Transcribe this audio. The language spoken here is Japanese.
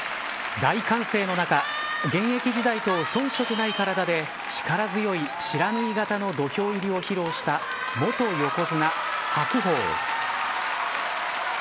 大歓声の中現役時代と遜色ない体で力強い不知火型の土俵入りを披露した元横綱白鵬。